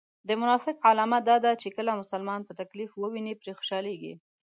د منافق علامه دا ده چې کله مسلمان په تکليف و ويني پرې خوشحاليږي